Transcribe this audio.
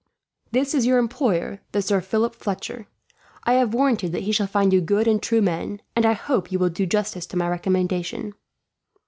"This is your employer, the Sieur Philip Fletcher. I have warranted that he shall find you good and true men, and I hope you will do justice to my recommendation."